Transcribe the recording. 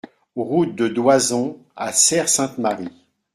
Route de Doazon à Serres-Sainte-Marie